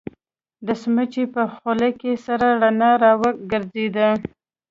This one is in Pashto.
د سمڅې په خوله کې سره رڼا را وګرځېده.